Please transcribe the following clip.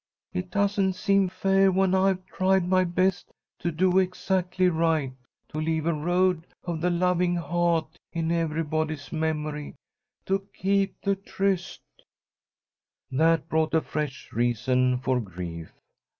It doesn't seem fair when I've tried my best to do exactly right, to leave a road of the loving hah't in everybody's memory, to keep the tryst " That thought brought a fresh reason for grief.